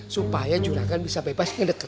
supaya juragan bisa bebas ngedetekan